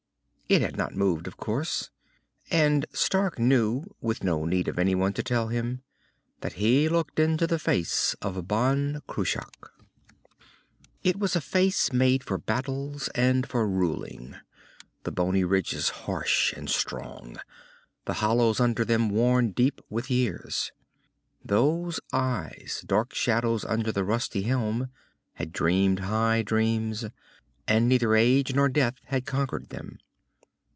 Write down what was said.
It had not moved, of course. And Stark knew, with no need of anyone to tell him, that he looked into the face of Ban Cruach. It was a face made for battles and for ruling, the bony ridges harsh and strong, the hollows under them worn deep with years. Those eyes, dark shadows under the rusty helm, had dreamed high dreams, and neither age nor death had conquered them.